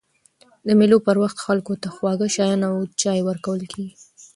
د مېلو پر وخت خلکو ته خواږه شيان او چای ورکول کېږي.